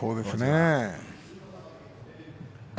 そうですね。